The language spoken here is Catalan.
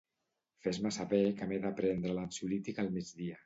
Fes-me saber que m'he de prendre l'ansiolític al migdia.